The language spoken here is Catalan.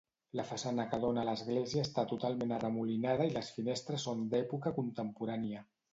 La façana que dóna a l'església està totalment arremolinada i les finestres són d'època contemporània.